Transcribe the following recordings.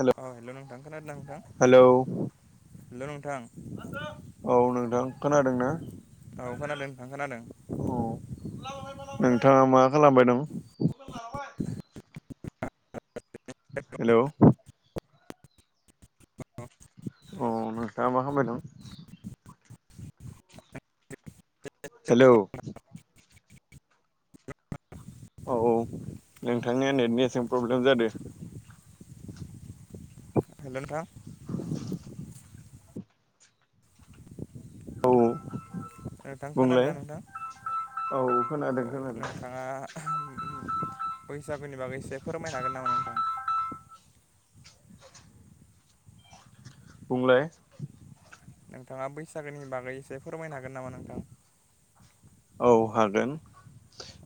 Hello अ hello नोंथां खोनादों नोंथां हेलौ हेल' नोंथां औ नोंथां खोनादों ना औ खोनादों नोंथां खोनादों औ नोंथाङा मा खालामबाय दं [inaudible] हेल' अ नोंथांङा मा खालामबाय दं सेल' औ नोंथांनिया नेटनिसेम प्रब्लेम जादों हेल' नोंथां [inaudible] औ नोंथां बुंलाय खोनादोंदों नोंथां औ खोनादों औ खोनादों नोंथाङा बैसागुनि बागै एसे फोरमायनो हागोन नामा नोंथां बुंलाय नोंथाङा बैसागोनि बागै एसे फोरमायनो हागोन नामा नोंथां औ हागोन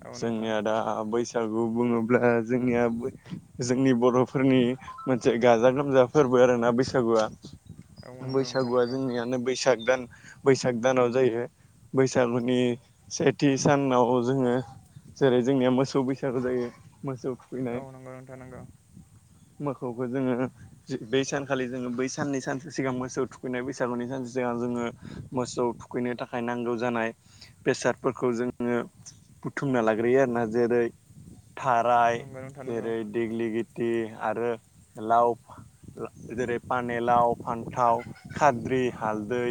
औ नोंथां जोंनिया दा बैसाग बैसागु बुङोब्ला जोंनिया जोंनि बर'फोरनि मोनसे गाजा गोमजा फोरबो आरो ना बैसागुआ औ नंगौ नोंथां बैसागुआ नंगौ जोंनियानो बैसाग दान बैसाग दानाव जायो बैसागनि सेथि सानाव जोङो जेरै जोंनिया मोसौ बैसागु जायो मोसौ थुखैनाय औ नंगौ नोंथां नांगौ मोसौखौ जोङो बै सानखालि जोङो बै साननि सानसे सिगां मोसौ थुखैनाय बैसागुनि सानसे ज जोङो मोसौ थुखैनो थाखाय नांगौ जानाय बेसादफोरखौ जोङो बुथुमना लाग्रोयो आरोना जेरै थार खाराइ नंगौ नोंथां नंगौ जेरै दिग्लि गिथि आरो लाव जेरै पानेलाव फान्थाव खाद्रि हालदै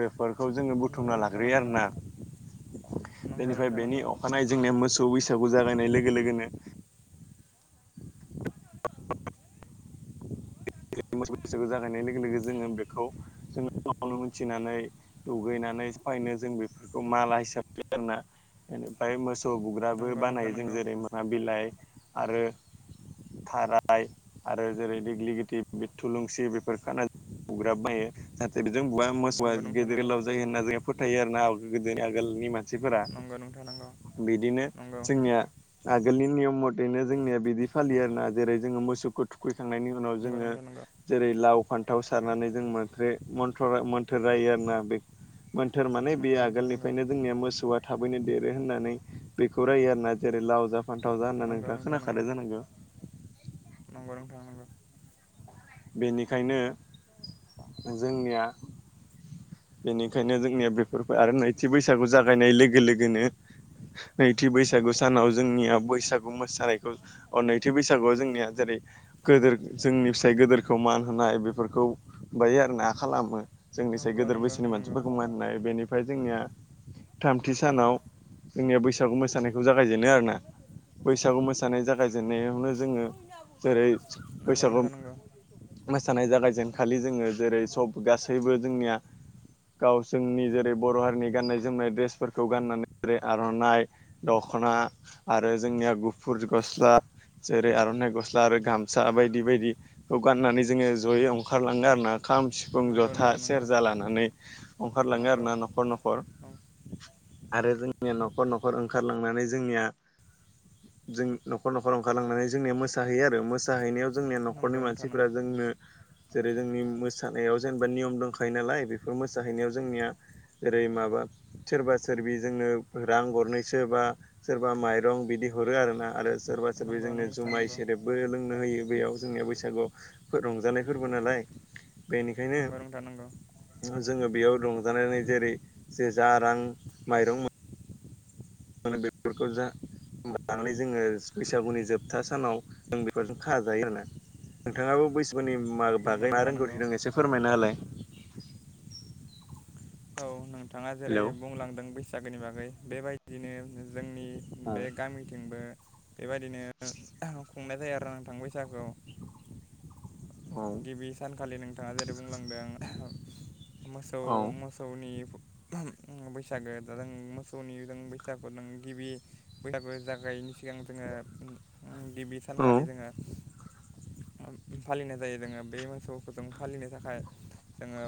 बेफोरखौ जोङो बुथुमना लाग्रोयो आरोना नंगौ बेनिफ्राय नोंथां बेनि नंगौ अखानाय जोंनाय मोसौ बैसागु जागायनाय लोगो लोगोनो बैसागु जागायनाय लोगो लोगो जोङो बेखौ जोङो [unintelligible] नो मिथिनानै दुगैनानै फायनो जों बेफोरखौ माला हिसाबै आरोना बेनिफ्राय मोसौ बुग्राबो नंगौ नोंथां बानायो जों नंगौ जेरै मोना बिलाइ आरो थाराइ आरो जेरै दिग्लिगेटिभ बे थुलुंसि बेफोर खाना हुग्राब बायो जाहाथे [unintelligible] जों बुवा मोसौआ नंगौ नोंथां नंगौ गेदेरलाव जायो होनना जों फोथायो आर ना गोदोनि आगोलनि मानसि [unintelligible] मानसिफोरा नंगौ नोंथां नंगौ बिदिनो नंगौ जोंनिया आगोलनि नियम मथैनो जोंनिया बिदि फालियो आरोना जेरै जोङो मोसौखौ थुखैखांनायनि उनाव जोङो नोंथां नंगौ जेरै लाव फान्थाव सारनानै जों मोनथ्रे मोन्थोर जायो आरो ना बे मोनथोर माने बे नंगौ नंगौ नोंथां नंगौ आगोलनिफ्रायनो जोंनिया मोसौआ थाबैनो देरो होननानै बेखौ रायो आरोना जेरै लाव जा फान्थाव जा होना नंगौ नोंथाङा नोंथां नंगौ खोनाखादों जानांगौ नंगौ नोंथा नांगौ बेनिखायनो जोंनिया बेनिखायनो जोंनिया बेफोरखौ आरो नैथि बैसागु जागायनाय लोगो लोगोनो नैथि बैसागु सानाव जोंनिया बैसागु मोसानायखौ अ नैथि बैसागुआव जोंनिया जे गोदोर जोंनि फिसाइ गदोरखौ मान होनाय बेफोरखौ बायो आरो ना खालामो जोंनि साय नंगौ गदोर नंगौ बैसोनि नोंथां नंगौ मानसिफोरखौ मा होननाय बेनिफ्राय जोंनिया थामथि सानाव जोंनिया बैसागु मोसानायखौ जागायजेनो आरोोना बैसागु मोसानाय जागायजेननायावनो जोङो जेरै [unintelligible] थानांगौ जानाय जागायजेनखालि जोङो जेरै सब गासैबो जोंनिया गाव जोंनि जेरै बर' हारिनि गाननाय जोमनाय ड्रेसफोरखौ गाननानै जेरै आर'नाइ दख दखना आरो जोंनिया गुफुर गस्ला जेरै आर'नाइ गस्ला आरो गसा फसा बायदि बायदिखौ गाननानै जोङो जयै ओंखारलाङो आरोना खाम सिफुं नंगौ जथा नोंथां नंगौ सेरजा लानानै ओंखारलाङो आरो नंगौ ना न'खर न'खर आरो जोंनिया न'खर न'खर ओंखारलांनानै जोंनिया जों न'खर न'खर ओंखारलांनानै जोंनिया मोसाहैयो आरो मो जाहैनायाव जोंनिया न'खरनि नंगौ नोंथां मानसिफोरा नंगौ जोंनो जेरै जोंनि मोसानायाव जेनेबा नियम दंखायो नालाय बेफोर मोसाहैनायाव जोंनिया जेरै माबा सोरबा सोरबि जोंनो रां गरनैसो बा सोरबा माइरं बिदि हरो आरोना आरो सोरबा नंगौ जोंनो नोंथां जुमाय नंगौ सेरेबबो लों नो होयो बेयाव जोंनिया बैसागु रंजानाय फोरबो नालाय नंगौ नोंथां नंगौ बेनिखायनो जोङो बेयाव रंजानानै जेरै जे जा रां माइरं मोनो मोनो बेलखौ जा होनोमब लानानै जोङो बैसागुनि जोबथा सानाव जों बेफोरजों खाजायो आरोोना नोंथाङाबो बैसोुनि म नंगौ बागै मा नोंथां नंगौ रोंगौथि दं एसे फोरमायनाालाय औ नोंथाङा जेरै बुंलांदों बैसागोनि बागै बेबायदिनो जोंनि औ बे गामिथिंबो बेबायदिनो खुंनाय जायो आरो आं थां बैसागु गिबि सानखालि नोंथाङा जेरै बुंलांदों मोसौ औ मसा बैसागो दा जों मोसौनि जों बैसागु नों गिबि बैसागु ज गायैनि सिगां जोङो गिबि सानखालि जोङो फालिनाय जायो जोङो बै मोसौफोरखौ जों फालिनो थाखाय जोङो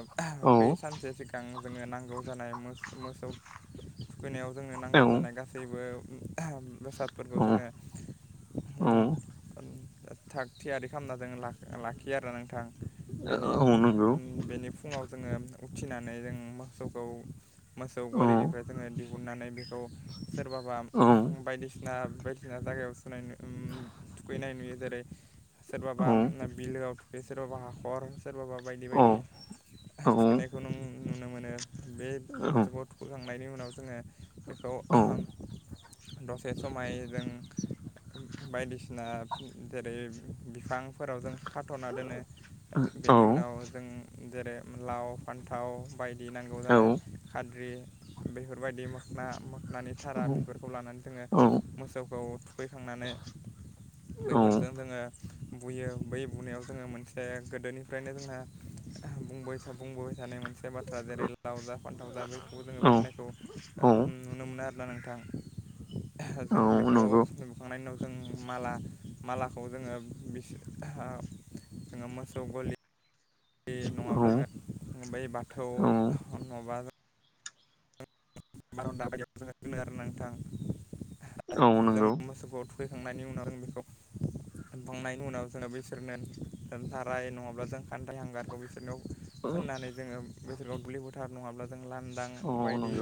औ बै सानसे सिगां जोङो नांगौ जानाय मोसौ थुखैनायाव जोंनो औ नांगौ जानाय गासैबो औ बेसादफोरखौ जोङो थाग थियारि खालामना जों लाखियो आरो नोंथां बेनि औ नांगौ बेनि फुङाव जोङो उथिनानै जों मोसौखौ मोसौ औ गलिनिफ्राय जोङो दिहुननानै बेखौ सोरबाबा औ बायदिसिना बायदिसिना जायगायाव सुनायनो फैनाय नुयो जेरै औ सोरबाबा बिलोआव थुखैयो सोरबाबा हाखर सोरबाबा बायदि औ बायदि थुखैनायखौ नों नुनो मोनो बे मोसौखौ थुखै खांनायनि उनाव जोङो बेखौ औ दसे समाय जों बायदिसिना जेरै बिफांफोराव जों खाथ'ना दोनो बेनि उनाव जों जेरै लाव फान्थाव बायदि नांगौ जानाय खाद्रि बेफोरबायदि मोखना मो मानि धारा बेफोरखौ लानानै जोङो मोसौखौ थुखैखांनानै बैफोरजों जोङो बुयो बै बुनायाव जोङो मोनसे गोदोनिफ्रायनो जोंहा बुंबाय बुंबोबाय थानाय मोन से बाथ्रा जेरै लाव जा फान्थाव जा बेखौबो जोङो बुंनायखौ औ नुनो मोनो आरोना नों थां जों औ बेखौ नंगौ बुखांनायनि उनाव जों माला मालाखौ जोङो बिसिहा जोङो मोसौ गलि बे औ नङाब्ला नङाबा ओइ बाथौ औ नङाबा [unintelligible] आरोना नोंथां। औ नंगौ। फैखांनायनि उनाव आं बेखौ बुंनायनि उनाव जोङो बिसोरनो था थाराय नङाब्ला जों खान्थाइ हांगारखौ बिसोरनाव फोननानै जोङो फोथाराव दुब्लि फोथार नङाब्ला जों लांदां औ नंगौ बायदि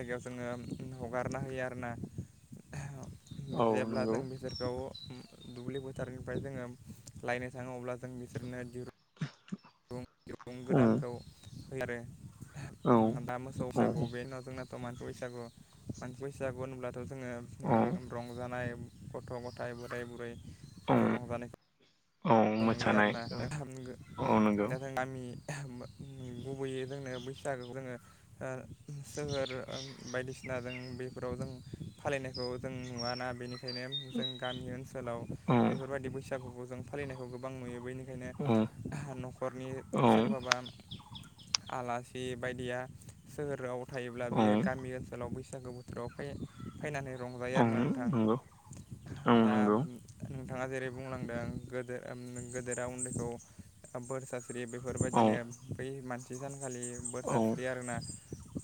जायगायाव जोङो हगारना होयो आरोना औ जेब्ला नंगौ जों बिसोरखौ दुब्लि फोथारनिफ्राय जोङो लायनो थाङो अब्ला जों बिसोरनो जिर रुं दिरुं औ गोदानखौ होयो आरो। ओम दा मोसौ बैसागु बे उनाव जोंना मानसि बैसागु मानसि बैसागु होनोब्लाथ' जोङो औ रंजानाय गथ' गथाइ बोराय बुरै औ जोङो रंजानायखौ औ नुयो मोसानाय आरोना दा थांगो औ नंगौ दा थांना मि गुबैयै जोंनो बैसागो ओ जोङो सहोर बायदिसिना जों बेफोराव जों फालिनायखौ जों नुवा ना बेनिखा यनो जों गामि ओनसोलाव औ बेफोरबायदि बैसागुखौ जों फालिनायखौ गोबां नुयो बेनि औ खायनो न'खरनि सोरबाबा आलासि बायदिया सोहोराव थायोब्ला औ बेयो गामि ओनसोलाव बैसा गो बोथोराव फै फैनानै रंजायो औ आरोना नोंथां। नंगौ औ दा नंगौ नोंथाङा जेरै बुंलांदों गोदो ओम गोदोरा उन्दैखौ बोर सास्रि यो औ बेफोरबायदिनो बै मानसि सानखालि बोर औ सास्रि आरोना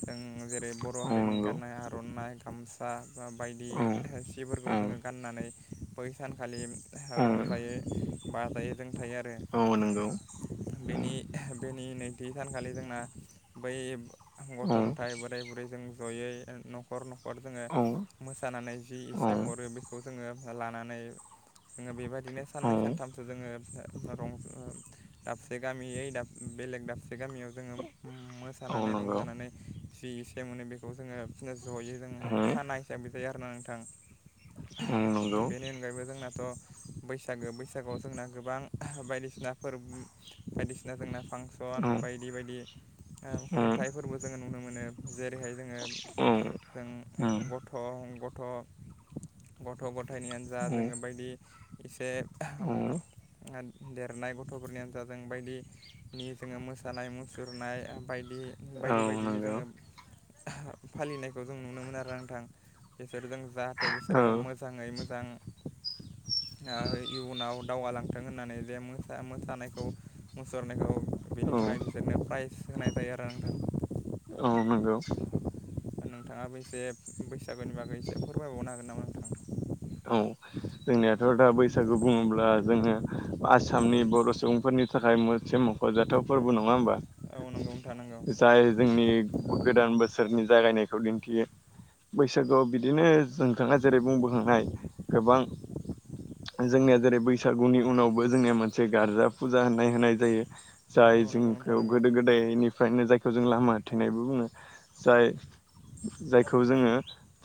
जों आं जेरै बर' औ हारिनि नंगौ गाननाय आर'नाइ गामसा बायदि औ सिफोरखौ औ जोङो गाननानै बै सानखालि औ रंजायो। बाजायो जों थायो आरो औ नंगौ औ बेनि नि नैथि सानखालि जोंना बै गथ' औ गथाय बोराय बुरै जों जयै न'खर न'खर जोङो औ मोसानानै जि एसे हरो बेखौ जोङो लानानै जोङो बेबायदिनो औ साननै सानथामसो जोङो रंजा दाबसे गामियै बेलेग दाबसे गामियाव जोङो मोसानानै नंगौ रंजानानै जि एसे मोनो बेखौ जोङो बिदिना जैयो जों औ खाना हिसाबै जायो आरोना नोंथां। औ बेनि अनगायैबो जोंनाथ' बैसागो बैसागोआव जोंना गोबां बायदिसिना फोर बायदिसिना जोंना फांसन नंगौ औ नंगौ औ बायदि बायदि ओ औ खुंथाइफोरबो जोङो नुनो मोनो। जेरैहाय जोङो जों गथ' गथ' गथ' ग थाइनिआनो जा जोङो बायदि बे देरनाय गथ'फोरनि हानजाजों बायदिनि जोङो मोसानाय मुसुरनाय बायदि बायदि बायदिनो जोङो फालिनायखौ जों नुनो मोन आरो नोंथां बिसोर जों जाहाथे बिसोरो मोजाङै मोजां ओ इयुनाव दावगालांथों होननानै जे मोसानायखौ मुसुरनायखौ बेनि थाखाय बिसोरनो प्राइज होनाय जायो आरो नोंथां। औ नंगौ नोंथाङाबो एसे बैसागोनि बागै एसे फोरमायबावनो हागोन नामा नोंथाङा। औ जोंनियाथ' दा बैसागु बुङोब्ला जोङो आसामनि बर' सुबुं फोरनि थाखाय मोनसे मख'जाथाव फोरबो नङा होमबा। औ नंगौ नोंथां नंगौ जाय जोंनि गोदान बोसोरनि जागायनायखौ दिन्थियो। बैसागुआव बिदिनो नोंथाङा जेरै बुंबोखांनाय गोबां जोंनिया जेरै बैसागुनि उनावबो जोंनिया मोनसे गारजा फुजा होननाय होनाय जायो औ जाय नंगौ नोंथां जोंखौ गोदो नंगौ गोदायनिफ्रायनो जायखौ जों लामा थेनायबो बुङो जाय जायखौ जोङो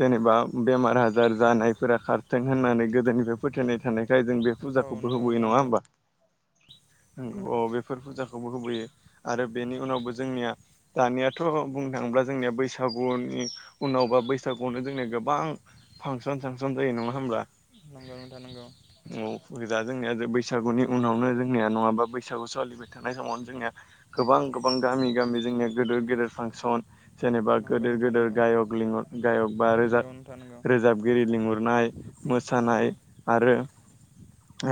जेनेबा बेमार आजार जानायफोरा खार होननानै गोदोनिफ्राय फोथायनाय थानायखाय जों बे औ फुजाखौबो नंगौ होबोयो नङा होमबा नंगौ बेफोर फुजाखौबो होबोयो आरो बेनि उनावबो जोंनिया दानियाथ' बुंनो थाङो जोंनिया बैसागुनि उनाव बा बैसागुआवनो जोंनिया गोबां फांसन सांसन जायो नङा [inaudible] नंगौ नोंथां नांगौ जा जोंनिया बैसागुनि उनावनो जोंनिया नङाबा बैसागु सोलिबाय थानाय समावनो जोंनिया गोबां गोबां गामि गामि जोंनिया गेदेर गेदेर फांसन जेनेबा नंगौ गिदिर नोंथां गिदिर नंगौ गायक लिहर गायक बा नंगौ नोंथां नंगौ रोजाब रोजाबगिरि लिंहरनाय नंगौ मोसानाय आरो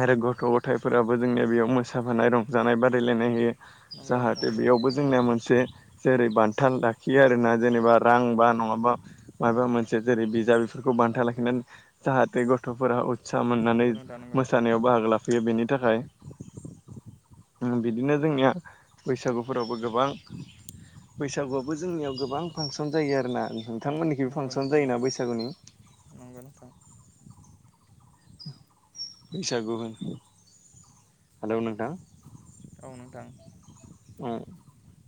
आरो गथ' गथायफोराबो जोंनिया बेयाव मोसाफानाय रंजानाय बादायलायनाय होयो नंगौ नोंथां जाहाथे नंगौ बेयावबो जोंनिया मोनसे जेरै बान्था लाखियो आरोना जेनेबा रां बा नङाबा माबा मोनसे जेरै बिजाब बेफोरखौ बान्था लाखि जाहाथे गथ'फोरा उत्सा मोननानै नंगौ नोंथां नंगौ मोसानायाव बाहागो लाफैयो बेनि नि थाखाय बिदिनो जोंनिया बैसागुफोरावबो गोबां बैसागुआबो जोंनियाव गोबां फांसन जायो आरोना नोंथांमोननिखि नंगौ फांसन नोंथां जायोना नंगौ बैसागुनि नंगौ नोंथां [inaudible] औ नोंथां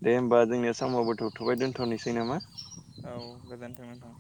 दे होमबा जोंनिया सामावबोथ'थ'बाय दोनथ'नोसै नामा औ गोजोन्थों नोंथां।